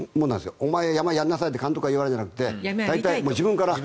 お前、山やりなさいって監督から言うんじゃなくて大体、自分から。